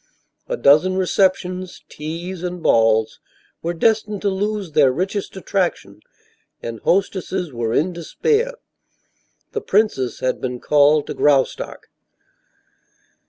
A dozen receptions, teas and balls were destined to lose their richest attraction, and hostesses were in despair. The princess had been called to Graustark.